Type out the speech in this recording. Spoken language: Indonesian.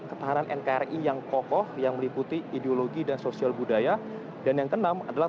ketahanan nkri yang kokoh yang meliputi ideologi dan sosial budaya dan yang keenam adalah